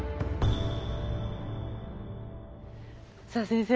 さあ先生